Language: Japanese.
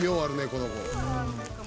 この子。